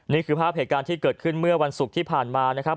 นี่คือภาพเหตุการณ์ที่เกิดขึ้นเมื่อวันศุกร์ที่ผ่านมานะครับ